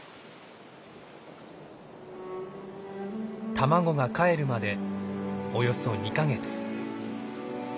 卵がかえるまでおよそ２か月。